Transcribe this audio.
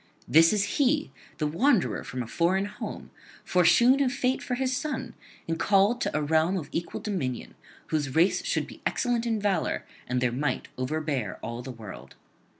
This is he, the wanderer from a foreign home, foreshewn of fate for his son, and called to a realm of equal dominion, whose race should be excellent in valour and their might overbear all the world.